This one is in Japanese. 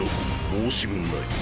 申し分ない。